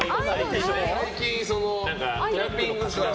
最近、キャンピングカー。